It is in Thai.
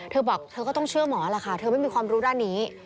เธอบอกเธอก็ต้องเชื่อหมอล่ะค่ะเธอไม่มีความรู้ด้านนี้